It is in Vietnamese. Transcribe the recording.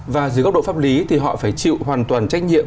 và dưới góc độ pháp lý thì họ phải chịu hoàn toàn trách nhiệm